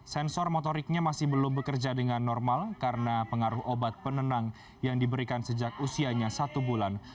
sensor motoriknya masih belum bekerja dengan normal karena pengaruh obat penenang yang diberikan sejak usianya satu bulan